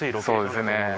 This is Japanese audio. そうですよね